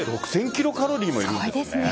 キロカロリーもいるんですね。